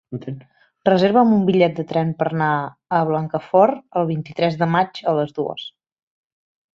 Reserva'm un bitllet de tren per anar a Blancafort el vint-i-tres de maig a les dues.